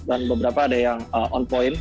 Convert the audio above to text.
dan beberapa ada yang on point